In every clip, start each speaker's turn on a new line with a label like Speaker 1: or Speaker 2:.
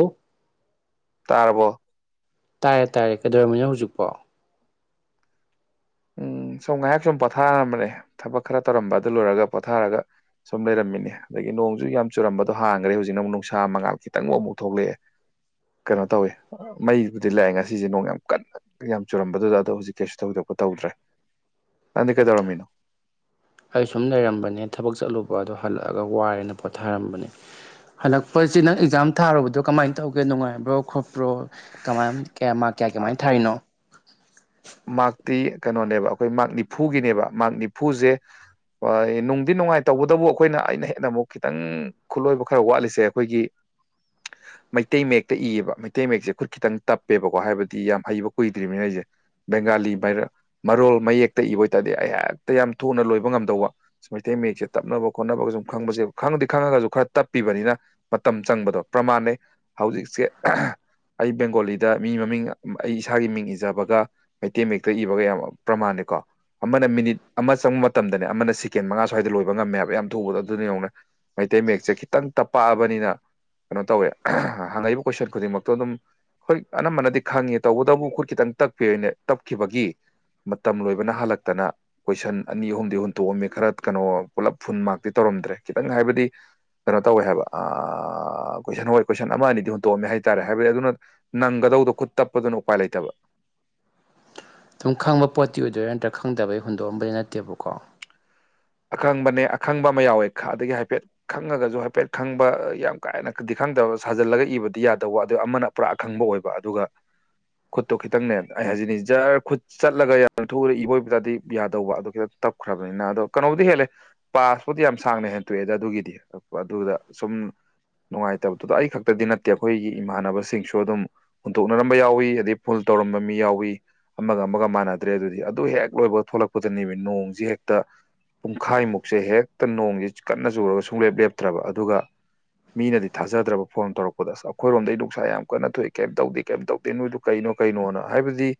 Speaker 1: ꯑꯣ
Speaker 2: ꯇꯥꯔꯕꯣ
Speaker 1: ꯇꯥꯔꯦ ꯇꯥꯔꯦ ꯀꯗꯧꯔꯝꯃꯤꯅꯣ ꯍꯧꯖꯤꯛꯄꯣ [inaudible]
Speaker 2: ꯎꯝ ꯁꯨꯝ ꯉꯥꯏꯍꯥꯛ ꯁꯨꯝ ꯄꯣꯊꯥꯔꯝꯕꯅꯦ ꯊꯕꯛ ꯈꯔ ꯇꯧꯔꯝꯕ ꯑꯗꯨ ꯂꯣꯏꯔꯒ ꯄꯣꯊꯥꯔꯒ ꯁꯨꯝ ꯂꯩꯔꯝꯃꯤꯅꯦ ꯑꯗꯒꯤ ꯅꯣꯡꯖꯨ ꯌꯥꯝ ꯆꯨꯔꯝꯕꯗꯣ ꯍꯥꯡꯒ꯭ꯔꯦ ꯍꯧꯖꯤꯛꯅ ꯑꯃꯨꯛ ꯅꯨꯡꯁꯥ ꯃꯉꯥꯜ ꯈꯤꯇꯪ ꯑꯃꯨꯛ ꯊꯣꯛꯂꯛꯑꯦ ꯀꯅꯣ ꯇꯧꯋꯦ ꯃꯩꯕꯨꯗꯤ ꯂꯥꯛꯑꯦ ꯉꯁꯤꯖꯦ ꯅꯣꯡ ꯌꯥꯝ ꯀꯟꯅ ꯌꯥꯝ ꯆꯨꯔꯝꯕꯗꯨꯗ ꯑꯗꯣ ꯍꯧꯖꯤꯛ ꯀꯩꯁꯨ ꯇꯧꯗꯕ ꯇꯧꯗ꯭ꯔꯦ ꯅꯪꯗꯤ ꯀꯩꯗꯧꯔꯝꯃꯤꯅꯣ
Speaker 1: ꯑꯩ ꯁꯨꯝ ꯂꯩꯔꯝꯕꯅꯦ ꯊꯕꯛ ꯆꯠꯂꯨꯕ ꯑꯗꯣ ꯍꯜꯂꯛꯑꯒ ꯋꯥꯔꯦꯅ ꯄꯣꯊꯥꯔꯝꯕꯅꯦ ꯍꯜꯂꯛꯄꯖꯤ ꯅꯪ ꯑꯦꯛꯖꯥꯝ ꯊꯥꯔꯨꯕꯗꯣ ꯀꯃꯥꯏꯅ ꯇꯧꯒꯦ ꯅꯨꯡꯉꯥꯏꯕ꯭ꯔꯣ ꯈꯣꯠꯄ꯭ꯔꯣ ꯀꯃꯥꯏ ꯀꯌꯥ ꯃꯥꯛ ꯀꯌꯥ ꯀꯃꯥꯏ ꯊꯥꯔꯤꯅꯣ
Speaker 2: ꯃꯥ꯭ꯔꯛꯇꯤ ꯀꯅꯣꯅꯦꯕꯥ ꯑꯈꯣꯏ ꯃꯥ꯭ꯔꯛ ꯅꯤꯐꯨꯒꯤꯅꯦꯕꯥ ꯃꯥꯔꯛ ꯅꯤꯐꯨꯖꯦ ꯑꯥ ꯅꯨꯡꯗꯤ ꯅꯨꯡꯉꯥꯏ ꯇꯧꯕꯗꯕꯨ ꯑꯩꯈꯣꯏꯅ ꯑꯩꯅ ꯍꯦꯟꯅ ꯑꯃꯨꯛ ꯈꯤꯇꯪ ꯈꯨꯠꯂꯣꯏꯕ ꯈꯔ ꯋꯥꯠꯂꯤꯁꯦ ꯑꯈꯣꯏꯒꯤ
Speaker 1: [inaudible]
Speaker 2: ꯃꯩꯇꯩ ꯃꯌꯦꯛꯇ ꯏꯌꯦꯕ ꯃꯩꯇꯩ ꯃꯌꯦꯛꯁꯦ ꯈꯨꯠ ꯈꯤꯇꯪ ꯇꯞꯄꯦꯕꯀꯣ ꯍꯥꯏꯕꯗꯤ ꯌꯥꯝ ꯍꯩꯕ ꯀꯨꯏꯗ꯭ꯔꯤꯕꯅꯤꯅ ꯑꯩꯖꯦ ꯕꯦꯡꯒꯥꯂꯤ ꯕꯥꯏꯔ ꯃꯔꯣꯜ ꯃꯌꯦꯛꯇ ꯏꯕ ꯑꯣꯏꯇꯥꯔꯗꯤ ꯑꯩꯍꯦꯛꯇ ꯌꯥꯝ ꯊꯨꯅ ꯂꯣꯏꯕ ꯉꯝꯗꯧꯕꯥ ꯃꯩꯇꯩ ꯃꯌꯦꯛꯁꯦ ꯇꯞꯅꯕ ꯈꯣꯠꯅꯕꯒ ꯁꯨꯝ ꯈꯪꯕꯖꯦ ꯈꯪꯗꯤ ꯈꯪꯉꯒꯁꯨ ꯈꯔ ꯇꯞꯄꯤꯕꯅꯤꯅꯥ ꯃꯇꯝ ꯆꯪꯕꯗꯣ ꯄ꯭ꯔꯃꯥꯟꯅꯦ ꯍꯧꯖꯤꯛꯁꯦ ꯑꯩ ꯕꯦꯡꯒꯣꯂꯤꯗ ꯃꯤ ꯃꯃꯤꯡ ꯑꯩ ꯏꯁꯥꯒꯤ ꯃꯤꯡ ꯏꯖꯕꯒ ꯃꯩꯇꯩ ꯃꯌꯦꯛꯇ ꯏꯕꯒ ꯌꯥꯝ ꯄ꯭ꯔꯃꯥꯟ ꯅꯦꯀꯣ ꯑꯃꯅ ꯃꯤꯅꯤꯠ ꯑꯃ ꯆꯪꯕ ꯃꯇꯝꯗꯅꯦ ꯑꯃꯅ ꯁꯦꯀꯦꯟ ꯃꯉꯥ ꯁ꯭ꯋꯥꯏꯗ ꯂꯣꯏꯕ ꯉꯝꯃꯦꯕ ꯌꯥꯝ ꯊꯨꯕꯗꯣ ꯑꯗꯨꯅ ꯌꯦꯡꯉꯨꯅꯦ ꯃꯩꯇꯩ ꯃꯌꯦꯛꯁꯦ ꯈꯤꯇꯪ ꯇꯞꯄꯛꯑꯕꯅꯤꯅ ꯀꯩꯅꯣ ꯇꯧꯋꯦ ꯍꯪꯉꯛꯏꯕ ꯀꯣꯏꯁꯟ ꯈꯨꯗꯤꯡꯃꯛꯇꯣ ꯑꯗꯨꯝ ꯍꯣꯏ ꯑꯅꯝꯕꯅꯗꯤ ꯈꯪꯉꯦ ꯇꯧꯕꯇꯕꯨ ꯈꯨꯠ ꯈꯤꯇꯪ ꯇꯞꯄꯦꯅꯦ ꯇꯞꯈꯤꯕꯒꯤ ꯃꯇꯝ ꯂꯣꯏꯕꯅ ꯍꯥꯜꯂꯛꯇꯅ ꯀꯣꯏꯁꯟ ꯑꯅꯤ ꯑꯍꯨꯝꯗꯤ ꯍꯨꯟꯇꯣꯛꯑꯝꯃꯤ ꯈꯔ ꯀꯩꯅꯣ ꯄꯨꯂꯞ ꯐꯨꯟ ꯃꯥꯛꯇꯤ ꯇꯧꯔꯝ ꯗ꯭ꯔꯦ ꯈꯤꯇꯪ ꯍꯥꯏꯕꯗꯤ ꯀꯩꯅꯣ ꯇꯧꯋꯦ ꯍꯥꯏꯕ ꯑ ꯀꯣꯏꯁꯟ ꯍꯣꯏ ꯀꯣꯏꯁꯟ ꯑꯃ ꯑꯅꯤꯗꯤ ꯍꯨꯟꯇꯣꯛꯑꯝꯃꯦ ꯍꯥꯏꯇꯥꯔꯦ ꯍꯥꯏꯕꯗꯤ ꯑꯗꯨꯅ ꯅꯪꯒ ꯗꯧꯗꯣ ꯈꯨꯠ ꯇꯞꯄꯗꯨꯅ ꯎꯄꯥꯏ ꯂꯩꯇꯕ
Speaker 1: [inaudible] ꯑꯗꯨꯝ ꯈꯪꯕ ꯄꯣꯠꯇꯤ ꯑꯣꯏꯗꯣꯏꯔꯥ ꯅꯠꯇ꯭ꯔꯒ ꯈꯪꯗꯕꯩ ꯍꯨꯟꯗꯣꯛꯑꯝꯕꯗꯤ ꯅꯠꯇꯦꯕꯀꯣ
Speaker 2: ꯑꯈꯪꯕꯅꯦ ꯑꯈꯪꯕ ꯑꯃ ꯌꯥꯎꯋꯦ ꯑꯗꯒꯤ ꯍꯥꯏꯐꯦꯠ ꯈꯪꯉꯒꯁꯨ ꯍꯥꯏꯐꯦꯠ ꯈꯪꯕ ꯌꯥꯝ ꯀꯥ ꯍꯦꯟꯅꯗꯤ ꯈꯪꯗꯕ ꯁꯥꯖꯤꯜꯂꯒ ꯏꯕꯗꯤ ꯌꯥꯗꯧꯕ ꯑꯗꯨ ꯑꯃꯅ ꯄꯨꯔꯥ ꯑꯈꯪꯕ ꯑꯣꯏꯕ ꯑꯗꯨꯒ ꯈꯨꯠꯇꯣ ꯈꯤꯇꯪꯅꯦ ꯑꯩ ꯍꯥꯏꯖꯤꯅꯤ ꯖꯔ ꯈꯨꯠ ꯆꯠꯂꯒ ꯌꯥꯝ ꯊꯨꯅ ꯏꯕ ꯑꯣꯏ ꯇꯥꯔꯗꯤ ꯕꯤꯌꯥ ꯇꯧꯕ ꯑꯗꯨꯒ ꯇꯞꯈ꯭ꯔꯕꯅꯤꯅ ꯑꯗꯣ ꯀꯩꯅꯣꯕꯨꯗꯤ ꯍꯦꯜꯂꯦ ꯄꯥꯁꯄꯨꯗꯤ ꯌꯥꯝ ꯁꯥꯡꯅ ꯍꯦꯟꯇꯣꯛꯑꯦꯗ ꯑꯗꯨꯒꯤꯗꯤ ꯑꯗꯨꯗ ꯁꯨꯝ ꯅꯨꯡꯉꯥꯏꯇꯕꯗꯨꯗ ꯑꯩ ꯈꯛꯇꯗꯤ ꯅꯠꯇꯦ ꯑꯩꯈꯣꯏꯒꯤ ꯏꯃꯥꯟꯅꯕꯁꯤꯡꯁꯨ ꯑꯗꯨꯝ ꯍꯨꯟꯗꯣꯛꯅꯔꯝꯕ ꯌꯥꯎꯋꯤ ꯑꯗꯩ ꯐꯨꯨꯜ ꯇꯧꯔꯝꯕ ꯃꯤ ꯌꯥꯎꯏ ꯑꯃꯒ ꯑꯃꯒ ꯃꯥꯟꯅꯗ꯭ꯔꯦ ꯑꯗꯨꯗꯤ ꯑꯗꯨꯢ ꯍꯦꯛ ꯂꯣꯏꯕ ꯊꯣꯛꯂꯛꯄꯗꯅꯦꯕ ꯅꯣꯡꯁꯤ ꯍꯦꯛꯇ ꯄꯨꯡꯈꯥꯏꯃꯨꯛꯁꯦ ꯍꯦꯛꯇ ꯅꯣꯡꯁꯦ ꯀꯟꯅ ꯆꯨꯔꯒ ꯁꯨꯡꯂꯦꯞ ꯂꯦꯞꯇ꯭ꯔꯕ ꯑꯗꯨꯒ ꯃꯤꯅꯗꯤ ꯊꯥꯖꯗ꯭ꯔꯕ ꯐꯣꯟ ꯇꯧꯔꯛꯄꯗ ꯑꯁ ꯑꯩꯈꯣꯏꯔꯣꯝꯗ ꯅꯨꯡꯁꯥ ꯌꯥꯝ ꯀꯟꯅ ꯊꯣꯛꯏ ꯀꯩꯝ ꯇꯧꯗꯦ ꯀꯩꯝ ꯇꯧꯗꯦ ꯅꯣꯏꯗꯣ ꯀꯩ ꯅꯣꯢ ꯀꯩꯅꯣꯅ ꯍꯥꯏꯕꯗꯤ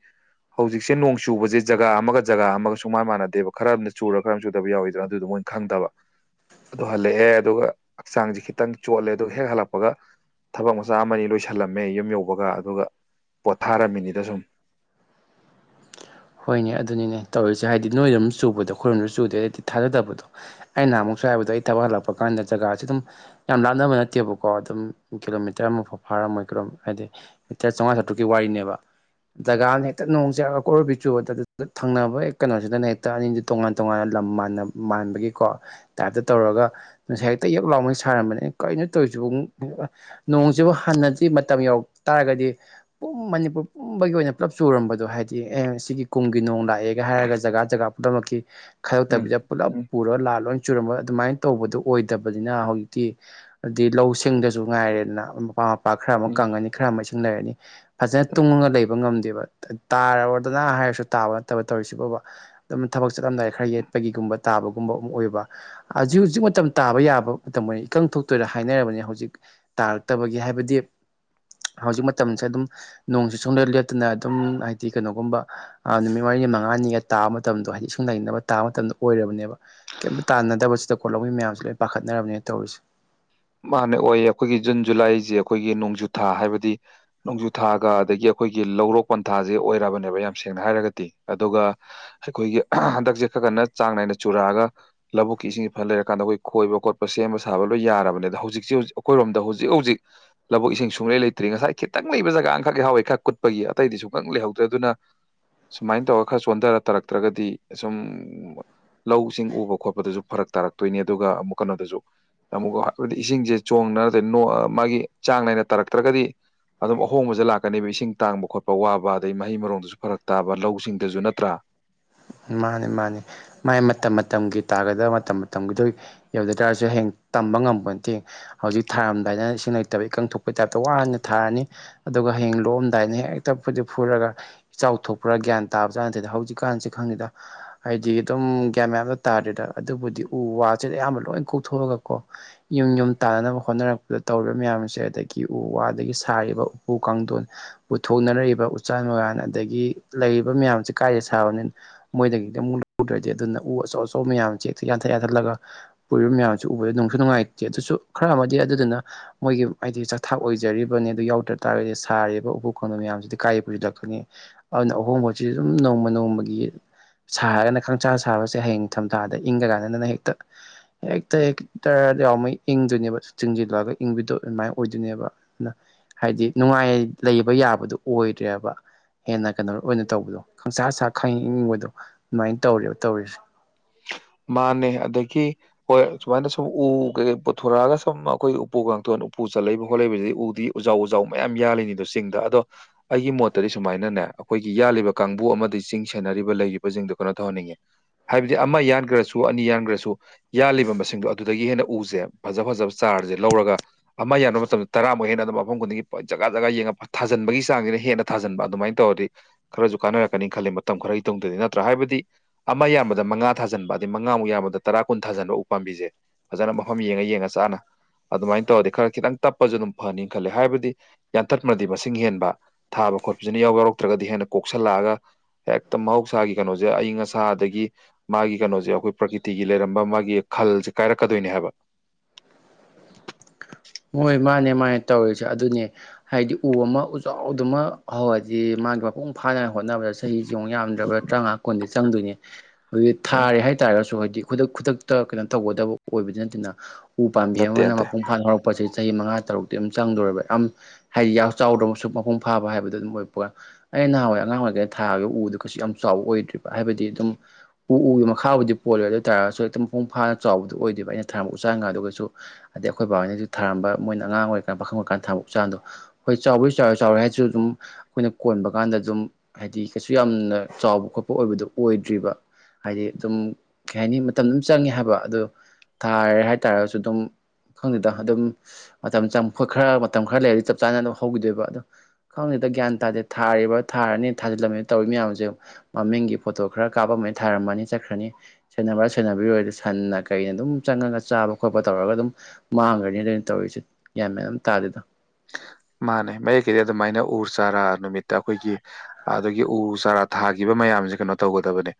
Speaker 2: ꯍꯧꯖꯤꯛꯁꯦ ꯅꯣꯡ ꯆꯨꯕꯁꯦ ꯖꯒꯥ ꯑꯃꯒ ꯖꯒꯥ ꯑꯃꯒꯁꯨ ꯁꯨꯛꯃꯥꯟ ꯃꯥꯟꯅꯗꯦꯕ ꯈꯔꯑꯃꯅ ꯆꯨꯔꯞ ꯈꯔ ꯑꯃꯅ ꯆꯨꯗꯕ ꯌꯥꯎꯋꯤꯗꯅ ꯑꯗꯨꯗꯣ ꯃꯣꯏ ꯈꯪꯗꯕ ꯑꯗꯨ ꯍꯜꯂꯛꯑꯦ ꯑꯗꯨꯒ ꯍꯛꯆꯥꯡꯁꯦ ꯈꯤꯇꯪ ꯆꯣꯠꯂꯦ ꯑꯗꯨ ꯍꯦꯛ ꯍꯜꯂꯛꯄꯒ ꯊꯕꯛ ꯃꯆꯥ ꯑꯃꯅꯤ ꯂꯣꯏꯁꯤꯜꯂꯝꯃꯦ ꯌꯨꯝ ꯌꯧꯕꯒ ꯑꯗꯨꯒ ꯄꯣꯊꯥꯔꯝꯃꯤꯅꯤꯗ ꯁꯨꯝ
Speaker 1: [inaudible] ꯍꯣꯏꯅꯦ ꯑꯗꯨꯅꯤꯅꯦ ꯇꯧꯔꯤꯁꯦ ꯍꯥꯏꯗꯤ ꯅꯣꯏꯔꯣꯝ ꯆꯨꯕꯗꯣ ꯑꯩꯈꯣꯏꯔꯣꯝꯗ ꯆꯨꯗꯦ ꯊꯥꯖꯗꯕꯗꯣ ꯑꯩꯅ ꯅꯍꯥꯟꯃꯨꯛ ꯁꯋꯥꯏꯕꯧꯗ ꯑꯩ ꯊꯕꯛ ꯍꯜꯂꯛꯄ ꯀꯥꯟꯗ ꯖꯒꯥꯁꯤ ꯑꯗꯨꯝ ꯌꯥꯝ ꯂꯥꯅꯕ ꯅꯠꯇꯦꯕꯀꯣ ꯑꯗꯨꯝ ꯀꯤꯂꯣꯃꯤꯇꯔ ꯑꯃꯐꯥꯎ ꯐꯥ ꯐꯔꯝꯃꯣꯏ ꯀꯩꯅꯣꯝ ꯍꯥꯏꯗꯤ ꯃꯤꯇ꯭ꯔ ꯆꯧꯉꯥ ꯆꯥꯇ꯭ꯔꯨꯛꯀꯤ ꯋꯥꯔꯤꯅꯦꯕ ꯖꯒꯥ ꯑꯃꯅ ꯍꯦꯛꯇ ꯅꯣꯡ ꯁꯦ ꯑ ꯀꯣꯔꯣꯏꯕꯤ ꯆꯨꯕꯗꯗꯨꯗ ꯊꯪꯅꯕ ꯀꯩꯅꯣꯁꯤꯗꯅ ꯍꯦꯛꯇ ꯑꯅꯤꯁꯤꯗ ꯇꯣꯉꯥꯟ ꯇꯣꯉꯥꯟ ꯂꯝ ꯃꯥꯟꯅ ꯃꯥꯟꯕꯒꯤꯀꯣ ꯑꯗꯨ ꯇꯧꯔꯒ ꯉꯁꯥꯏ ꯍꯦꯛꯇ ꯌꯛ ꯂꯥꯎꯒꯩ ꯁꯥꯔꯝꯕꯅꯤ ꯑꯩꯅ ꯀꯩꯅꯣ ꯇꯧꯋꯤꯁꯤꯕꯣ ꯅꯣꯡꯁꯤꯕꯨ ꯍꯟ ꯍꯖꯤꯛ ꯃꯇꯝ ꯌꯧꯔꯛ ꯇꯥꯔꯒꯗꯤ ꯄꯨꯝ ꯃꯅꯤꯄꯨꯔ ꯄꯨꯝꯕꯒꯤ ꯑꯣꯏꯅ ꯄꯨꯂꯞ ꯆꯨꯔꯝꯕꯗꯣ ꯍꯥꯏꯗꯤ ꯑꯦꯁ ꯁꯤꯒꯤ ꯀꯨꯝꯒꯤ ꯅꯣꯡ ꯂꯥꯛꯑꯦꯒ ꯍꯥꯏꯔꯒ ꯖꯒꯥ ꯖꯒꯥ ꯄꯨꯝꯅꯃꯛꯀꯤ
Speaker 2: ꯎꯝ
Speaker 1: ꯈꯥꯏꯗꯣꯛꯇꯕꯤꯗ ꯄꯨꯂꯞ
Speaker 2: ꯎꯝ
Speaker 1: ꯄꯨꯔꯒ ꯂꯥꯛꯑ ꯂꯣꯏ ꯆꯨꯔꯝ ꯍꯣꯏ ꯑꯗꯨꯃꯥꯏ ꯇꯧꯕꯗꯣ ꯑꯣꯏꯗꯕꯅꯤꯅ ꯍꯧꯖꯤꯛꯇꯤ ꯗꯤ ꯂꯧꯁꯤꯡꯗꯁꯨ ꯉꯥꯏꯔꯦꯗꯅ ꯃꯄꯥ ꯄꯥꯛ ꯈꯔ ꯑꯃ
Speaker 2: ꯎꯝ
Speaker 1: ꯀꯪꯉꯅꯤ ꯈꯔ ꯑꯃ ꯏꯁꯤꯡ ꯂꯩꯔꯅꯤ ꯐꯖꯅ ꯇꯨꯡꯉꯒ ꯂꯩꯕ ꯉꯝꯗꯦꯕ ꯇꯥꯔ ꯂꯥ ꯍꯥꯏꯔꯁꯨ ꯇꯥꯕ ꯅꯠꯇꯕ ꯇꯧꯔꯤꯁꯤꯕꯣꯕ ꯑꯗꯨꯝ ꯊꯕꯛ ꯆꯠꯂꯝꯗꯥꯏ ꯈꯔ ꯌꯦꯠꯄꯒꯤꯒꯨꯝꯕ ꯇꯥꯕꯒꯨꯝꯕ ꯑꯃ ꯑꯣꯏꯕ ꯍꯧꯖꯤꯛ ꯍꯧꯖꯤꯛ ꯃꯇꯝ ꯇꯥꯕ ꯌꯥꯕ ꯃꯇꯝ ꯑꯣꯢꯔꯦ ꯏꯀꯪ ꯊꯣꯛꯇꯣꯏꯔ ꯍꯥꯏꯅꯔꯕꯅꯦ ꯍꯨꯖꯤꯛ ꯇꯥꯔꯛꯇꯕꯒꯤ ꯍꯥꯏꯕꯗꯤ ꯍꯧꯖꯤꯛ ꯃꯇꯝꯁꯦ ꯑꯗꯨꯝ ꯅꯣꯡꯁꯦ ꯁꯨꯡꯂꯦꯞ ꯂꯦꯞꯇꯅ ꯑꯗꯨꯝ ꯍꯥꯏꯗꯤ ꯀꯩꯅꯣ ꯒꯨꯝꯕ ꯑ ꯅꯨꯃꯤꯠ ꯃꯔꯤꯅꯤ ꯃꯉꯥꯅꯤꯒ ꯇꯥꯕ ꯃꯇꯝꯗꯣ ꯍꯥꯏꯗꯤ ꯏꯁꯤꯡ ꯂꯩꯅꯕ ꯇꯥꯕ ꯃꯇꯝꯗ ꯑꯣꯏꯔꯕꯅꯦꯕ ꯇꯥꯟꯅꯗꯕꯁꯤꯗ ꯀꯣ ꯂꯧꯃꯤ ꯃꯌꯥꯝꯁꯦ ꯂꯣꯏ ꯄꯥꯈꯠꯅꯔꯕꯅꯤꯅ ꯇꯧꯔꯤꯁꯦ
Speaker 2: ꯃꯥꯅꯦ ꯑꯣꯏꯌꯦ ꯑꯩꯈꯣꯏꯒꯤ ꯖꯨꯟ ꯖꯨꯂꯥꯏꯁꯦ ꯑꯩꯈꯣꯏꯒꯤ ꯅꯣꯡꯖꯨꯊꯥ ꯍꯥꯏꯕꯗꯤ ꯅꯣꯡꯖꯨꯊꯥꯒ ꯑꯗꯒꯤ ꯑꯩꯈꯣꯏꯒꯤ ꯂꯧꯔꯣꯛ ꯄꯟꯊꯥꯁꯦ ꯑꯣꯏꯔꯕꯅꯦꯕ ꯌꯥꯝ ꯁꯦꯡꯅ ꯍꯥꯏꯔꯒꯗꯤ ꯑꯗꯨꯒ ꯑꯩꯈꯣꯏꯒꯤ ꯍꯟꯗꯛꯁꯦ ꯈꯔ ꯀꯟꯅ ꯆꯥꯡ ꯅꯥꯏꯅ ꯆꯨꯔꯛꯑꯒ ꯂꯧꯕꯨꯛꯀꯤ ꯏꯁꯤꯡꯁꯤ ꯐꯅ ꯂꯩꯔꯀꯥꯟꯗ ꯑꯩꯈꯣꯏ ꯈꯣꯏꯕ ꯈꯣꯠꯄ ꯁꯦꯝꯕ ꯁꯥꯕ ꯂꯣꯏ ꯌꯥꯔꯕꯅꯦꯕ ꯍꯧꯖꯤꯛꯁꯤ ꯍꯧꯖꯤꯛ ꯑꯩꯈꯣꯏꯔꯣꯝꯗ ꯍꯧꯖꯤꯛ ꯍꯧꯖꯤꯛ ꯂꯧꯕꯨꯛ ꯏꯁꯤꯡ ꯁꯨꯡꯂꯩ ꯂꯩꯇ꯭ꯔꯤ ꯉꯥꯏ ꯈꯤꯇꯪ ꯂꯩꯕ ꯖꯒꯥ ꯑꯃꯈꯛ ꯌꯥꯎꯋꯦ ꯈꯔ ꯀꯨꯠ ꯑꯈꯣꯢꯒꯤ ꯑꯇꯩꯗꯤ ꯁꯨꯀꯪ ꯂꯩꯍꯧꯗ꯭ꯔꯦ ꯑꯗꯨꯅ ꯁꯨꯃꯥꯏꯅ ꯇꯧꯔ ꯈꯔ ꯆꯣꯟꯗꯔ ꯇꯔꯛꯇ꯭ꯔꯒꯗꯤ ꯁꯨꯝ ꯂꯧꯁꯤꯡ ꯎꯕ ꯈꯣꯠꯄꯗꯁꯨ ꯐꯔꯛ ꯇꯥꯔꯛꯇꯨꯏꯅꯤ ꯑꯗꯨꯒ ꯑꯃꯨꯛ ꯀꯩꯅꯣꯗꯁꯨ ꯑꯃꯨꯛ ꯑꯩꯈꯣꯏꯗꯤ ꯏꯁꯤꯡꯁꯦ ꯆꯣꯟꯅ ꯅꯣ ꯑ ꯥꯒꯤ ꯆꯥꯡ ꯅꯥꯏꯅ ꯇꯥꯔꯛꯇ꯭ꯔꯒꯗꯤ ꯑꯗꯨꯝ ꯑꯍꯣꯡꯕꯁꯦ ꯂꯥꯛꯀꯅꯦꯕ ꯏꯁꯤꯡ ꯇꯥꯡꯕ ꯈꯣꯠꯄ ꯋꯥꯕ ꯑꯗꯩ ꯃꯍꯩ ꯃꯔꯣꯡꯗꯁꯨ ꯐꯔꯛ ꯇꯥꯕ ꯂꯧꯁꯤꯡꯗꯁꯨ ꯅꯠꯇ꯭꯭ꯔꯥ
Speaker 1: [inaudible] ꯃꯥꯅꯤ ꯃꯥꯅꯤ ꯃꯥꯥꯏ ꯃꯇꯝ ꯃꯇꯝꯒꯤ ꯇꯥꯒꯗ ꯃꯇꯝ ꯃꯇꯝꯒꯤꯗꯣ ꯌꯧꯗ ꯇꯥꯔꯁꯨ ꯍꯌꯦꯡ ꯇꯝꯕ ꯉꯝꯕ ꯅꯠꯇꯦ ꯍꯧꯖꯤꯛ ꯊꯥꯔꯝꯗꯥꯏꯅ ꯏꯁꯤꯡ ꯂꯩꯇꯕ ꯏꯀꯪ ꯊꯣꯛꯄꯒꯤ ꯇꯥꯏꯞꯇ ꯋꯥꯅ ꯊꯥꯔꯅꯤ ꯑꯗꯨꯒ ꯍꯌꯦꯡ ꯂꯣꯛꯑꯝꯗꯥꯏꯅ ꯍꯦꯛꯇ ꯐꯨꯗꯤ ꯐꯨꯔꯒ ꯏꯆꯥꯎ ꯊꯣꯛꯄꯔ ꯒ꯭ꯌꯥꯟ ꯇꯥꯕꯖꯠ ꯅꯠꯇꯦꯗ ꯍꯧꯖꯤꯛꯀꯥꯟꯁꯤ ꯈꯪꯗꯦꯗ ꯍꯥꯏꯗꯤ ꯑꯗꯨꯝ ꯒ꯭ꯌꯥꯟ ꯃꯌꯥꯝꯗ ꯇꯥꯗ꯭ꯔꯦꯗ ꯑꯗꯨꯕꯨꯗꯤ ꯎ ꯋꯥꯁꯤꯗ ꯑꯌꯥꯝꯕ ꯂꯣꯏ ꯀꯣꯛꯊꯣꯛꯑꯒ ꯀꯣ ꯌꯨꯝ ꯌꯨꯝ ꯇꯥꯟꯅꯅꯕ ꯍꯣꯠꯅꯔꯛꯄꯗ ꯇꯧꯔꯤꯕ ꯃꯌꯥꯝꯁꯦ ꯑꯗꯒꯤ ꯎ ꯋꯥꯗꯒꯤ ꯁꯥꯔꯤꯕ ꯎ ꯎ ꯀꯥꯡꯊꯣꯟ ꯄꯨꯊꯣꯛꯅꯔꯛꯔꯤꯕ ꯎꯆꯥꯟ ꯃꯉꯥꯟ ꯑꯗꯒꯤ ꯂꯩꯔꯤꯕ ꯃꯌꯥꯝꯁꯦ ꯀꯥꯏꯗ ꯁꯥꯕꯅꯤ ꯃꯣꯏꯗꯒꯤꯗꯤ ꯑꯃꯨꯛ ꯂꯧꯗ꯭ꯔꯗꯤ ꯑꯗꯨꯅ ꯎ ꯑꯆꯧ ꯑꯆꯧꯕ ꯃꯌꯥꯝꯁꯦ ꯍꯦꯛꯇ ꯌꯥꯟꯊꯠ ꯌꯥꯟꯊꯠꯂꯒ ꯄꯨꯔꯤꯕ ꯃꯌꯥꯝꯁꯦ ꯎ ꯎ ꯅꯨꯡꯁꯨ ꯅꯨꯡꯉꯥꯏꯇꯦ ꯑꯗꯨꯁꯨ ꯈꯔ ꯑꯃꯗꯤ ꯑꯗꯨꯗꯨꯅ ꯃꯣꯏꯒꯤ ꯍꯥꯏꯗꯤ ꯆꯥꯛꯊꯥꯛ ꯑꯣꯏꯖꯔꯤꯕꯅꯦ ꯑꯗꯨ ꯌꯥꯎꯗ꯭ꯔ ꯇꯥꯔ ꯍꯥꯏꯗꯤ ꯁꯥꯔꯤꯕ ꯎꯄꯨ ꯀꯥꯡꯊꯣꯟ ꯃꯌꯥꯝꯁꯤꯗꯤ ꯀꯥꯏꯗꯩ ꯄꯨꯁꯤꯜꯂꯛ ꯀꯅꯤ ꯑꯗꯨꯅ ꯑꯍꯣꯡꯕꯁꯤ ꯑꯗꯨꯝ ꯅꯣꯡꯃ ꯅꯣꯡꯃꯒꯤ ꯁꯥꯔꯒꯅ ꯈꯪꯆꯥ ꯁꯥꯕꯁꯦ ꯍꯌꯦꯡ ꯅꯤꯡꯊꯝꯊꯥꯗ ꯏꯪꯉ ꯀꯥꯟꯗꯅ ꯍꯦꯛꯇ ꯍꯦꯛꯇ ꯍꯦꯛꯇ ꯌꯥꯎꯃꯩ ꯏꯪꯗꯣꯏꯅꯦꯕ ꯆꯤꯡꯁꯤꯜꯂꯛꯑꯒ ꯏꯪꯕꯤꯗꯣ ꯑꯗꯨꯃꯥꯏꯅ ꯑꯣꯏꯗꯣꯏꯅꯦꯕ ꯑꯗꯨꯅ ꯍꯥꯏꯗꯤ ꯅꯨꯡꯉꯥꯏ ꯂꯩꯕ ꯌꯥꯕꯗꯨ ꯑꯣꯏꯗ꯭ꯔꯦꯕ ꯍꯦꯟꯅ ꯀꯩꯅꯣ ꯑꯣꯏꯅ ꯇꯧꯕꯗꯣ ꯈꯪꯁꯥ ꯁꯥ ꯈꯪꯏꯪ ꯏꯕꯗꯣ ꯑꯗꯨꯃꯥꯏꯅ ꯇꯧꯔꯦꯕ ꯇꯧꯔꯤꯁꯦ
Speaker 2: ꯃꯥꯥꯟꯅꯦꯍꯦ ꯑꯗꯒꯤ ꯍꯣꯏ ꯁꯨꯃꯥꯏꯅ ꯁꯨꯝ ꯎ ꯀꯩꯀꯩ ꯄꯨꯊꯣꯔꯛꯑꯒ ꯁꯨꯝ ꯑꯩꯈꯣꯏ ꯎꯄꯨ ꯀꯥꯡꯊꯣꯟ ꯎꯄꯨ ꯆꯠꯂꯛꯢꯕ ꯈꯣꯠꯂꯛꯏꯕꯁꯤꯗꯤ ꯎꯗꯤ ꯎꯖꯥꯎ ꯎꯖꯥꯎ ꯃꯌꯥꯝ ꯌꯥꯜꯂꯤꯅꯤꯗꯣ ꯆꯤꯡꯗ ꯑꯗꯣ ꯑꯩꯒꯤ ꯃꯣꯠꯇꯗꯤ ꯁꯨꯃꯥꯏꯅꯅꯦ ꯅꯦ ꯑꯩꯈꯣꯏꯒꯤ ꯌꯥꯟꯂꯤꯕ ꯀꯥꯡꯕꯨ ꯑꯃꯗꯤ ꯆꯤꯡ ꯁꯦꯟꯅꯔꯤꯕ ꯂꯩꯔꯤꯕꯁꯤꯡꯗꯣ ꯀꯩꯅꯣ ꯇꯧꯍꯟꯅꯤꯡꯉꯦ ꯍꯥꯏꯕꯗꯤ ꯑꯃ ꯌꯥꯟ ꯒ꯭ꯔꯁꯨ ꯑꯅꯤ ꯌꯥꯟꯈ꯭ꯔꯁꯨ ꯌꯥꯜꯂꯤꯕ ꯃꯁꯤꯡꯗꯣ ꯑꯗꯨꯗꯒꯤ ꯍꯦꯟꯅ ꯎꯁꯦ ꯐꯖ ꯐꯖꯕ ꯆꯥꯔꯖꯦ ꯂꯧꯔꯒ ꯑꯃ ꯌꯥꯟꯕ ꯃꯇꯝꯗ ꯇꯔꯥꯃꯨꯛ ꯍꯦꯟꯅ ꯑꯗꯨꯝ ꯃꯐꯝ ꯈꯨꯗꯤꯡꯒꯤ ꯐ ꯖꯒꯥ ꯖꯒꯥ ꯌꯦꯡꯉꯥ ꯐꯠ ꯊꯥꯖꯟꯕꯒꯤ ꯆꯥꯡꯁꯤꯅ ꯍꯟꯅ ꯊꯖꯟꯕ ꯑꯗꯨꯃꯥꯏꯅ ꯇꯧ ꯔꯗꯤ ꯈꯔꯖꯨ ꯀꯥꯟꯅꯔꯛꯀꯅꯤ ꯈꯜꯂꯤ ꯃꯇꯝ ꯈꯔꯒꯤ ꯇꯨꯡꯗꯗꯤ ꯅꯠꯇ꯭ꯔꯥ ꯍꯥꯏꯕꯗꯤ ꯑꯃ ꯌꯥꯟꯕꯗ ꯃꯉꯥ ꯊꯥꯖꯤꯟꯕ ꯗꯤ ꯃꯉꯥꯃꯨꯛ ꯌꯥꯝꯕꯗ ꯇꯔꯥ ꯀꯨꯟ ꯊꯥꯖꯟꯕ ꯎꯄꯥꯥꯝꯕꯤꯁꯦ ꯐꯖꯅ ꯃꯐꯝ ꯌꯦꯡꯉ ꯌꯦꯡꯉ ꯆꯥꯅ ꯑꯗꯨꯃꯥꯏꯅ ꯇꯧꯔꯗꯤ ꯈꯔ ꯈꯤꯇꯪ ꯇꯞꯄꯁꯨ ꯑꯗꯨꯝ ꯐꯅꯤ ꯈꯜꯂꯦ ꯍꯥꯏꯕꯗꯤ ꯌꯥꯟꯊꯠꯄꯗꯤ ꯃꯁꯤꯡ ꯍꯦꯟꯕ ꯊꯥ ꯕ ꯈꯣꯠꯄꯁꯤꯅ ꯌꯥꯎ ꯌꯥꯎꯔꯛꯇ꯭ꯔꯒꯗꯤ ꯍꯦꯟꯅ ꯀꯣꯛꯁꯜꯂꯛꯑꯒ ꯍꯦꯛꯇ ꯃꯍꯧꯁꯥꯒꯤ ꯀꯩꯅꯣꯁꯦ ꯑꯏꯤꯡ ꯑꯁꯥꯗꯒꯤ ꯃꯥꯒꯤ ꯀꯩꯅꯣꯁꯦ ꯑꯩꯈꯣꯏ ꯄ꯭ꯔꯀꯤꯇꯤꯒꯤ ꯂꯩꯔꯝꯕ ꯃꯥꯒꯤ ꯈꯜꯁꯦ ꯀꯥꯏꯔꯛꯀꯗꯣꯏꯅꯦ ꯍꯥꯏꯕ
Speaker 1: [inaudible] ꯑꯗꯨꯃꯥꯏꯅ ꯇꯧꯔꯤꯁꯦ ꯑꯗꯨꯅꯦ ꯍꯥꯏꯗꯤ ꯎ ꯑꯃ ꯎꯖꯥꯎꯗꯨꯃ ꯍꯧꯔꯗꯤ ꯃꯥꯒꯤ ꯃꯄꯨꯡ ꯐꯥꯅ ꯍꯣꯠꯅꯕꯗ ꯆꯍꯤꯁꯤ ꯑꯃꯨꯛ ꯌꯥꯝꯗ꯭ꯔꯕ ꯇꯔꯥꯃꯉꯥ ꯀꯨꯟꯗꯤ ꯆꯪꯗꯣꯏꯅꯦ ꯑꯗꯨꯗꯤ
Speaker 2: ꯎꯝ
Speaker 1: ꯊꯥꯔꯦ ꯍꯥꯏꯇꯥꯥꯔꯒꯁꯨ ꯍꯥꯏꯗꯤ ꯈꯨꯗꯛ ꯈꯨꯗꯛꯇ ꯀꯩꯅꯣ ꯇꯧꯒꯗꯕ ꯑꯣꯏꯕꯗꯤ ꯅꯠꯇꯅ ꯎ ꯄꯥꯝꯕꯤ
Speaker 2: ꯅꯠꯇꯦ
Speaker 1: ꯑꯃꯅ
Speaker 2: ꯅꯠꯇꯦ
Speaker 1: ꯃꯄꯨꯡ ꯐꯥꯅ ꯍꯧꯔꯛ ꯄꯁꯦ ꯆꯍꯤ ꯃꯉꯥ ꯇꯔꯨꯛꯇꯤ ꯑꯗꯨꯝ ꯆꯪꯗꯣꯔꯕ ꯌꯥꯝ ꯍꯥꯏꯗꯤ ꯌꯥꯝ ꯆꯥꯎꯗ꯭ꯔꯃꯛꯁꯨ ꯃꯄꯨꯡ ꯐꯥꯕ ꯍꯥꯏꯕꯗꯣ ꯑꯗꯨꯝ ꯑꯣꯏꯄꯀꯥꯟ ꯑꯩꯅ ꯅꯍꯥꯟꯋꯥꯏ ꯑꯉꯥꯡ ꯑꯣꯏꯔꯤꯉꯩꯗ ꯊꯥꯕ ꯎꯗꯨ ꯀꯩꯁꯨ ꯌꯥꯝ ꯆꯥꯎꯕ ꯑꯣꯏꯗ꯭ꯔꯤꯕ ꯍꯥꯏꯕꯗꯤ ꯑꯗꯨꯝ ꯎ ꯎꯒꯤ ꯃꯈꯥꯕꯨꯗꯤ ꯍꯧꯗꯤ ꯄꯣꯜꯂꯣꯏ ꯑꯗꯨ ꯇꯥꯔꯁꯨ ꯍꯦꯛꯇ ꯃꯄꯨꯡ ꯐꯥꯅ ꯆꯥꯎꯕꯗꯨ ꯑꯣꯏꯗꯦꯕ ꯑꯩꯅ ꯊꯥꯔꯝꯕ ꯎꯆꯥꯟ ꯉꯥꯗꯨꯒꯁꯨ ꯑꯗꯩ ꯑꯩꯈꯣꯏ ꯕꯥ ꯍꯣꯢꯅꯁꯨ ꯊꯥꯔꯝꯕ ꯃꯣꯏꯅ ꯑꯉꯥꯡ ꯑꯣꯏꯔꯤ ꯀꯥꯟꯗ ꯄꯥꯈꯪ ꯑꯣꯏꯔꯀꯥꯟꯗ ꯊꯥꯕ ꯎ ꯆꯥꯟꯗꯣ ꯍꯣꯏ ꯆꯥꯎꯕꯩ ꯆꯥꯎꯔ ꯆꯥꯎꯔꯦ ꯍꯥꯏꯔꯁꯨ ꯑꯗꯨꯝ ꯑꯩꯈꯣꯏꯅ ꯀꯣꯠ ꯍꯣꯟꯕ ꯀꯥꯟꯗ ꯑꯗꯨꯝ ꯍꯥꯏꯗꯤ ꯀꯩꯁꯨ ꯌꯥꯝꯅ ꯆꯥꯎꯕ ꯈꯣꯠꯄ ꯑꯣꯏꯕꯗꯨ ꯑꯣꯏꯗ꯭ꯔꯤꯕ ꯍꯥꯏꯗꯤ ꯑꯗꯨꯝ ꯀꯩ ꯍꯥꯏꯅꯤ ꯃꯇꯝ ꯑꯗꯨꯝ ꯆꯪꯉꯦ ꯍꯥꯏꯕ ꯑꯗꯨ ꯊꯥꯔꯦ ꯍꯥꯏꯇꯥꯔꯁꯨ ꯑꯗꯨꯝ ꯈꯪꯗꯦꯗ ꯑꯗꯨꯝ ꯃꯇꯝ ꯆꯪ ꯈꯣꯠ ꯈꯔ ꯃꯇꯝ ꯈꯔ ꯂꯩꯔꯗꯤ ꯆꯞ ꯆꯥꯅ ꯑꯗꯨꯝ ꯍꯧꯈꯤꯗꯣꯏꯕ ꯑꯗꯣ ꯈꯪꯗꯦꯗ ꯒ꯭ꯌꯥꯟ ꯇꯥꯗꯦ ꯊꯥꯔꯤꯕ ꯊꯥꯔꯅꯤ ꯊꯥꯖꯤꯜꯂꯝꯃꯤ ꯇꯧꯔꯤ ꯃꯌꯥꯝꯁꯦ ꯃꯃꯤꯡꯒꯤ ꯐꯣꯇꯣ ꯈꯔ ꯀꯥꯞꯄꯝꯃꯦ ꯊꯥꯔꯝꯃꯅꯤ ꯆꯠꯈ꯭ꯔꯅꯤ ꯁꯦꯟꯕꯔꯥ ꯁꯦꯟ ꯃꯔꯨ ꯑꯣꯢꯅ ꯁꯟꯅ ꯀꯩꯅ ꯑꯗꯨꯝ ꯆꯪꯉꯒ ꯆꯥꯕ ꯈꯣꯠꯄ ꯇꯧꯔꯒ ꯑꯗꯨꯝ ꯃꯥꯡꯈ꯭ꯔꯅꯤ ꯑꯗꯨꯅ ꯇꯧꯔꯤꯁꯦ ꯒ꯭ꯌꯥꯟ ꯃꯦꯟ ꯑꯃ ꯇꯥꯗꯦꯗ [inaudible]
Speaker 2: ꯃꯥꯅꯦ ꯃꯌꯦꯛ ꯀꯤꯗꯤ ꯑꯗꯨꯃꯥꯏꯅ ꯎ ꯆꯥꯔꯥ ꯅꯨꯃꯤꯠꯇ ꯑꯩꯈꯣꯏꯒꯤ ꯑꯗꯨꯒꯤ ꯎ ꯆꯥꯔꯥ ꯊꯥꯈꯤꯕ ꯃꯌꯥ ꯃꯌꯥꯝꯁꯦ ꯀꯩꯅꯣ ꯇꯧꯒꯗꯕꯅꯦ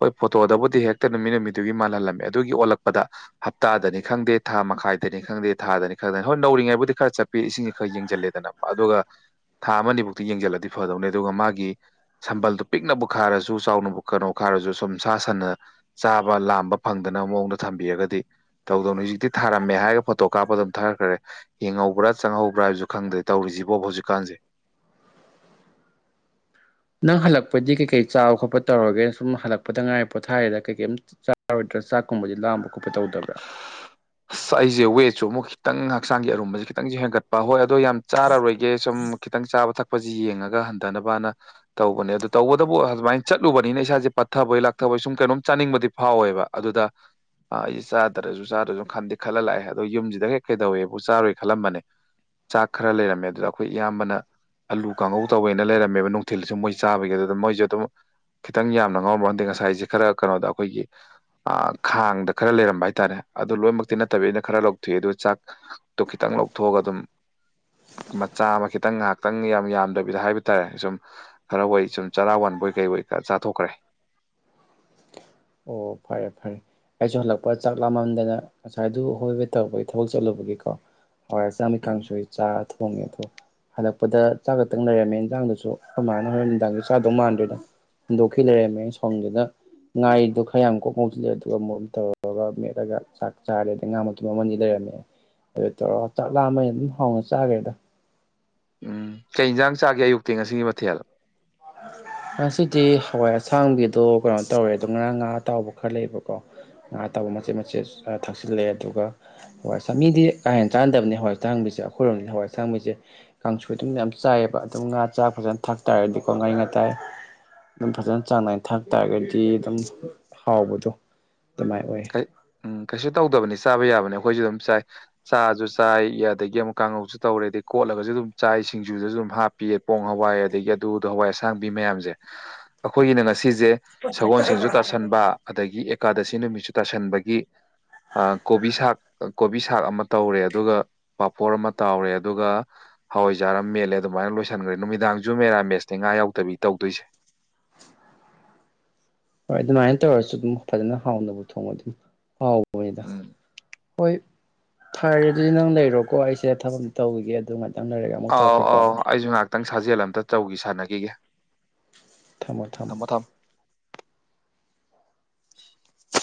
Speaker 2: ꯍꯣꯏ ꯐꯣꯇꯣꯗꯕꯨꯗꯤ ꯍꯦꯛꯇ ꯅꯨꯃꯤꯠ ꯅꯨꯃꯤꯇꯨꯒꯤ ꯃꯥꯜꯍꯜꯂꯝꯃꯦ ꯑꯗꯨꯒꯤ ꯑꯣꯜꯂꯛꯄꯗ ꯍꯞꯇꯥꯗꯅꯤ ꯈꯪꯗꯦ ꯊꯥ ꯃꯈꯥꯏꯗꯅꯤ ꯈꯪꯗꯦ ꯊꯥꯗꯅꯤ ꯈꯪꯗꯅꯤ ꯍꯣꯏ ꯅꯧꯔꯤꯉꯩꯗꯕꯨꯗꯤ ꯈꯔ ꯆꯠꯄꯤ ꯏꯁꯤꯡ ꯈꯔ ꯌꯦꯡꯁꯤꯜ ꯂꯦꯗꯅ ꯑꯗꯨꯒ ꯊꯥ ꯑꯃ ꯑꯅꯤ ꯕꯨꯛꯇꯤ ꯌꯦꯡꯁꯤꯜꯂꯗꯤ ꯐꯗꯧꯅꯦ ꯑꯗꯨꯒ ꯃꯥꯒꯤ ꯁꯝꯕꯜꯗꯨ ꯄꯤꯛꯅꯕꯕꯨ ꯈꯥꯔꯁꯨ ꯆꯥꯎꯅꯕꯨ ꯀꯩꯅꯣ ꯈꯥꯔ ꯈꯔꯁꯨ ꯁꯨꯝ ꯁꯥ ꯁꯟꯅ ꯆꯥꯕ ꯂꯥꯝꯕ ꯐꯪꯗꯅꯕ ꯃꯑꯣꯡꯗ ꯊꯝꯕꯤꯔꯒꯗꯤ ꯇꯧꯗꯧꯅꯦ ꯍꯧꯖꯤꯛꯇꯤ ꯊꯥꯔꯝꯃꯦ ꯍꯥꯏꯔꯒ ꯐꯣꯇꯣ ꯀꯥꯞꯄ ꯊꯒꯠꯈ꯭ꯔꯦ ꯍꯤꯡꯍꯧꯕ꯭ꯔꯥ ꯆꯪꯍꯧ ꯄ꯭ꯔꯖꯨ ꯈꯪꯗꯦ ꯇꯧꯔꯤꯁꯤꯕꯣ ꯍꯧꯖꯤꯛꯀꯥꯟꯁꯦ
Speaker 1: ꯅꯪ ꯍꯜꯂꯛꯄꯗꯤ ꯀꯩ ꯀꯩꯥ ꯆꯥꯕ ꯈꯣꯠ ꯇꯧꯔꯒꯦ ꯁꯨꯝ ꯍꯂꯛꯄꯗꯉꯥꯏ ꯄꯣꯊꯥꯔꯦꯗ ꯀꯩ ꯀꯩꯝ ꯆꯥꯔꯣꯏꯗ꯭ꯔꯥ ꯆꯥꯛ ꯈꯨꯝꯕꯗꯤ ꯂꯥꯝꯕ ꯈꯣꯠꯄ ꯇꯧꯗꯕ꯭ꯔꯥ
Speaker 2: ꯑꯁ ꯑꯩꯁꯦ ꯋꯦꯠꯁꯦ ꯃꯨꯛ ꯈꯤꯇꯪ ꯍꯛꯆꯥꯡꯒꯤ ꯑꯔꯨꯝꯕꯁꯦ ꯈꯤꯇꯪꯁꯨ ꯍꯦꯟꯒꯠꯄ ꯍꯣꯏ ꯑꯗꯣ ꯌꯥꯝ ꯆꯥꯔꯔꯣꯏꯒꯦ ꯁꯨꯝ ꯈꯤꯇꯪ ꯆꯥꯕ ꯊꯛꯄ ꯄꯁꯤ ꯌꯦꯡꯉꯒ ꯍꯟꯊꯅꯕꯅ ꯇꯧꯕꯅꯦ ꯑꯗꯨ ꯇꯧꯕꯗꯕꯨ ꯑꯁꯨꯃꯥꯏꯅ ꯆꯠꯂꯨꯕꯅꯤꯅ ꯏꯁꯥꯁꯦ ꯄꯠꯊꯕꯩ ꯂꯥꯛꯊ ꯑꯣꯏ ꯁꯨꯝ ꯀꯩꯅꯣꯝ ꯆꯥꯅꯤꯡꯕꯗꯤ ꯐꯥꯎꯋꯦꯕ ꯑꯗꯨꯗ ꯑ ꯑꯩꯁꯦ ꯆꯥꯗ꯭ꯔꯁꯨ ꯆꯥꯗ꯭ꯔꯁꯨ ꯈꯟꯗꯤ ꯈꯜꯂ ꯂꯥꯛꯑꯦ ꯑꯗꯣ ꯌꯨꯝꯁꯤꯗ ꯍꯦꯛ ꯀꯩꯗꯧꯏꯋꯦꯕꯨ ꯆꯥꯔꯣꯏ ꯈꯜꯂꯝꯕꯅꯦ ꯆꯥꯛ ꯈꯔ ꯂꯩꯔꯝꯃꯦ ꯑꯗꯨꯗ ꯑꯩꯈꯣꯏ ꯏꯌꯥꯝꯕꯅ ꯑꯂꯨ ꯀꯥꯡꯉꯧ ꯇꯧꯋꯦꯅ ꯂꯩꯔꯝꯃꯦꯕ ꯅꯨꯡꯊꯤꯜꯗꯁꯨ ꯃꯣꯏ ꯆꯥꯕꯒꯤ ꯑꯗꯨꯗ ꯑꯗꯨꯝ ꯃꯣꯏꯁꯨ ꯑꯗꯨꯝ ꯈꯤꯇꯪ ꯌꯥꯝꯅ ꯉꯥꯎꯔꯝꯕ ꯅꯠꯇꯦ ꯉꯁꯥꯏꯁꯦ ꯈꯔ ꯀꯩꯅꯣꯗ ꯑꯩꯈꯣꯏꯒꯤ ꯑ ꯈꯥꯡꯗ ꯈꯔ ꯂꯩꯔꯝ ꯍꯥꯏꯇꯥꯔꯦ ꯑꯗꯨ ꯂꯣꯏꯅꯃꯛꯇꯤ ꯅꯠꯇꯕꯤꯗ ꯈꯔ ꯂꯧꯊꯣꯛꯑꯦ ꯑꯗꯨ ꯆꯥꯛꯇꯣ ꯈꯤꯇꯪ ꯂꯧꯊꯣꯛꯑꯒ ꯑꯗꯨꯝ ꯃꯆꯥ ꯑꯃ ꯈꯤꯇꯪ ꯉꯥꯏꯍꯥꯛꯇꯪ ꯌꯥꯝ ꯌꯥꯝꯗꯕꯤꯗ ꯍꯥꯏꯕ ꯇꯥꯔꯦ ꯁꯨꯝ ꯈꯔ ꯑꯣꯢ ꯁꯨꯝ ꯆꯔꯥ ꯋꯥꯟ ꯕꯣꯏ ꯀꯩꯕꯣꯏ ꯆꯥ ꯆꯥꯊꯣꯛꯈ꯭ꯔꯦ
Speaker 1: ꯑꯣ ꯐꯔꯦ ꯐꯔꯦ ꯑꯩꯁꯨ ꯍꯜꯂꯛꯄ ꯆꯥꯛ ꯂꯥꯝꯃꯝꯗꯅ ꯉꯁꯥꯏꯗꯨ ꯍꯣꯏꯕꯦ ꯍꯣꯕꯦ ꯇꯧꯕꯒꯤ ꯊꯕꯛ ꯆꯠꯂꯨꯕꯒꯤꯀꯣ ꯍꯋꯥꯏ ꯑꯁꯥꯡꯕꯤ ꯀꯥꯡꯁꯣꯏ ꯆꯥ ꯊꯣꯡꯉꯦꯈꯣꯏ ꯍꯜꯂꯛꯄꯗ ꯆꯥ ꯈꯛꯇꯪ ꯂꯩꯔꯝꯃꯦ ꯏꯟꯖꯥꯡꯗꯨꯁꯨ ꯀꯃꯥꯏꯅ ꯍꯣꯔꯦꯟ ꯅꯨꯡꯗꯥꯡꯒꯤ ꯆꯥꯗꯧ ꯃꯥꯟꯗ꯭ꯔꯦꯅ ꯍꯨꯟꯗꯣꯛꯈꯤ ꯂꯩꯔꯝꯃꯦ ꯑꯩ ꯁꯥꯎꯅꯤꯡꯕꯗꯨꯗ ꯉꯥꯔꯤꯗꯣ ꯈꯔ ꯌꯥꯝ ꯀꯣꯛ ꯉꯧꯁꯤꯜꯂꯦ ꯑꯗꯨꯒ ꯑꯃꯨꯛ ꯇꯧꯔꯒ ꯃꯦꯠꯂꯒ ꯆꯥꯛ ꯆꯥꯔꯦꯗ ꯉꯥ ꯑꯃꯁꯨ ꯂꯩꯔꯝꯃꯦ ꯑꯗꯨ ꯇꯧꯔꯣꯑꯣ ꯆꯥꯛꯂꯥꯑꯃꯩ ꯑꯗꯨꯝ ꯍꯥꯎꯅ ꯆꯥꯈ꯭ꯔꯦꯗ
Speaker 2: ꯎꯝ ꯀꯩ ꯏꯟꯁꯥꯡ ꯆꯥꯒꯦ ꯑꯌꯨꯛꯇꯤ ꯉꯁꯤꯒꯤ ꯃꯊꯦꯜ
Speaker 1: ꯉꯁꯤꯗꯤ ꯍꯋꯥꯏ ꯑꯁꯥꯡꯕꯤꯗꯣ ꯀꯩꯅꯣ ꯇꯧꯔꯦ ꯑꯗꯨ ꯉꯥꯔꯥꯡ ꯉꯥ ꯑꯇꯥꯎꯕ ꯈꯔ ꯂꯩꯕꯀꯣ ꯉꯥ ꯑꯇꯥꯎꯕ ꯃꯆꯦꯠ ꯃꯆꯦꯠ ꯊꯛꯆꯤꯜꯂꯦ ꯑꯦ ꯑꯗꯨꯒ ꯍꯣꯏ ꯃꯤꯗꯤ ꯀꯥꯍꯦꯟꯅ ꯆꯥꯟꯅꯗꯕꯅꯤ ꯍꯋꯥꯏ ꯑꯁꯥꯡꯕꯤꯁꯦ ꯁꯦ ꯑꯩꯈꯣꯏꯔꯣꯝꯗꯅ ꯍꯋꯥꯏ ꯁꯥꯡꯕꯁꯦ ꯀꯥꯡꯁꯨꯣꯏ ꯑꯗꯨꯝ ꯌꯥꯝ ꯆꯥꯏꯑꯕ ꯑꯗꯨꯝ ꯉꯥ ꯆꯥꯛ ꯐꯖꯅ ꯊꯥꯛ ꯇꯔꯗꯤ ꯉꯥꯔꯤ ꯉꯥꯇꯥꯏ ꯑꯗꯨꯝ ꯐꯖꯅ ꯆꯥꯡ ꯅꯥꯏꯅ ꯊꯥꯛ ꯇꯥꯔꯒꯗꯤ ꯑꯗꯨꯝ ꯍꯥꯎꯕꯗꯣ ꯑꯗꯨꯃꯥꯏꯅ ꯑꯣꯏ
Speaker 2: ꯎꯝ ꯀꯩꯁꯨ ꯇꯧꯗꯕꯅꯤ ꯆꯥꯕ ꯌꯥꯕꯅꯦ ꯑꯩꯈꯣꯏꯁꯨ ꯑꯗꯨꯝ ꯆꯥꯏ ꯆꯥꯁꯨ ꯆꯥꯏ ꯑꯗꯒꯤ ꯑꯃꯨꯛ ꯀꯥꯡꯉꯧꯁꯨ ꯇꯧꯔꯦ ꯑꯗꯩ ꯀꯣꯠꯂꯒꯁꯨ ꯑꯗꯨꯝ ꯆꯥꯏ ꯁꯤꯡꯖꯨꯗꯁꯨ ꯑꯗꯨꯝ ꯍꯥꯞꯄꯤꯌꯦ ꯄꯣꯡ ꯍꯋꯥꯏ ꯑꯗꯒꯤ ꯑꯗꯨꯗꯣ ꯍꯋꯥꯏ ꯑꯁꯥꯡꯕꯤ ꯃꯌꯥꯝꯁꯦ ꯑꯩꯈꯣꯏꯒꯤꯅ ꯉꯁꯤꯁꯦ ꯁꯒꯣꯜꯁꯦꯟꯁꯨ ꯇꯥꯁꯟꯕ ꯑꯗꯒꯤ ꯑꯦꯀꯥꯗꯁꯤ ꯅꯨꯃꯤꯠꯁꯨ ꯇꯥꯁꯟꯕꯒꯤ ꯀꯣꯕꯤ ꯁꯥꯛ ꯀꯣꯕꯤ ꯁꯥꯛ ꯑꯃ ꯇꯧꯔꯦ ꯑꯗꯨꯒ ꯄꯥꯄꯣꯔ ꯑꯃ ꯇꯥꯎꯔꯦ ꯑꯗꯨꯒ ꯍꯋꯥꯏꯖꯥ ꯑꯃ ꯃꯦꯠꯂꯦ ꯑꯗꯨꯃꯥꯏꯅ ꯂꯣꯏꯁꯤꯟꯈ꯭ꯔꯦ ꯅꯨꯃꯤꯗꯥꯡꯁꯨ ꯃꯦꯔꯥ ꯃꯦꯁꯅꯦ ꯉꯥ ꯌꯥꯎꯗꯕꯤ ꯇꯧꯗꯣꯏꯁꯦ
Speaker 1: [inaudible] ꯍꯣꯏ ꯑꯗꯨꯃꯥꯏꯅ ꯇꯧꯔꯁꯨ ꯑꯗꯨꯝ ꯐꯖꯅ ꯍꯥꯎꯅꯕ ꯊꯣꯡꯉ ꯑꯗꯨꯝ ꯍꯥꯎꯕ ꯑꯣꯏꯗ
Speaker 2: ꯎꯝ
Speaker 1: ꯍꯣꯏ ꯐꯔꯦꯗꯨꯗꯤ ꯅꯪ ꯂꯩꯔꯣꯀꯣ ꯑꯩꯁꯦ ꯊꯕꯛ ꯑꯝꯇ ꯇꯧꯈꯤꯒꯦ ꯑꯗꯨꯃꯅꯤ
Speaker 2: ꯑꯥꯎ ꯑꯥꯎ ꯑꯩꯁꯨ ꯉꯥꯏꯍꯥꯛꯇꯪ ꯁꯥꯖꯦꯜ ꯑꯃꯇ ꯇꯧꯈꯤ ꯁꯥꯟꯅꯈꯤꯒꯦ
Speaker 1: ꯊꯝꯃꯣ ꯊꯝꯃꯣ
Speaker 2: [inaudible]